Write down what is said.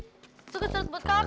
masukin surat buat kakak